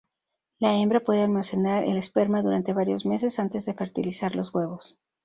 La hembra puede almacenar el esperma durante varios meses antes de fertilizar los huevos.